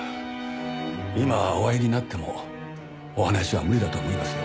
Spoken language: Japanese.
今お会いになってもお話は無理だと思いますよ。